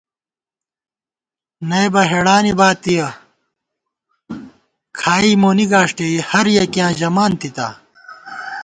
نئیبہ ہېڑانی باتِیَہ کھائی مونی گاݭٹےہر یَکِیاں ژَمانتِتا